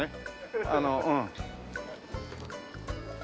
あのうん。